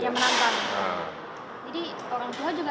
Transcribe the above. udah mau naik kebiasa